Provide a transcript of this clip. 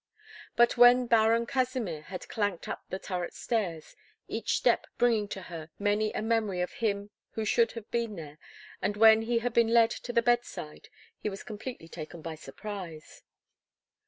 But when Baron Kasimir had clanked up the turret stairs, each step bringing to her many a memory of him who should have been there, and when he had been led to the bedside, he was completely taken by surprise.